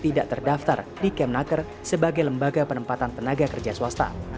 tidak terdaftar di kemnaker sebagai lembaga penempatan tenaga kerja swasta